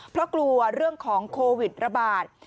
เพราะกลัวเรื่องของโควิดระบาด